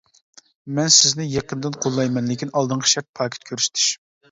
مەن سىزنى يېقىندىن قوللايمەن، لېكىن ئالدىنقى شەرت پاكىت كۆرسىتىش.